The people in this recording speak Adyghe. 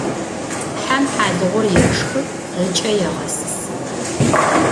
Hem halığur yêşşxı, ıç'e yêğesısı.